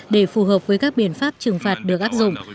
để phù hợp với các biện pháp trừng phạt được áp dụng